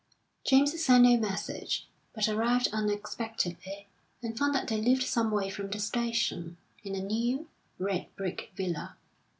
James sent no message, but arrived unexpectedly, and found that they lived some way from the station, in a new, red brick villa.